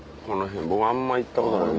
僕あんま行ったことないんです。